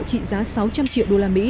trị giá sáu trăm linh triệu đô la mỹ